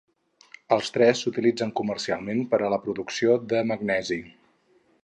Els tres s'utilitzen comercialment per a la producció de magnesi.